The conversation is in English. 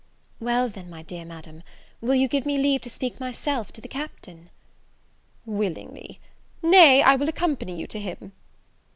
"Well, then, my dear Madam, will you give me leave to speak myself to the Captain?" "Willingly: nay, I will accompany you to him."